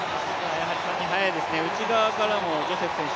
やはり速いですね、内側からもジョセフ選手